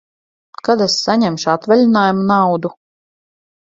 Kad es saņemšu atvaļinājuma naudu?